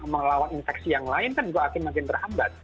melawan infeksi yang lain kan juga akan makin terhambat